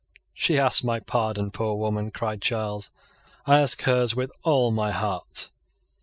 "She ask my pardon, poor woman!" cried Charles; "I ask hers with all my heart."